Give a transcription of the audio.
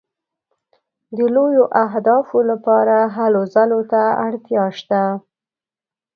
د لویو اهدافو لپاره هلو ځلو ته اړتیا شته.